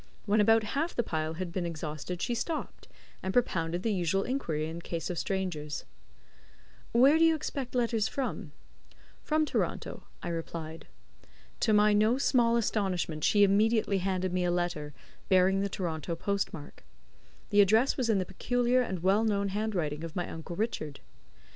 When about half the pile had been exhausted she stopped, and propounded the usual inquiry in the case of strangers: "Where do you expect letters from?" "From Toronto," I replied. To my no small astonishment she immediately handed me a letter, bearing the Toronto post mark. The address was in the peculiar and well known handwriting of my uncle Richard.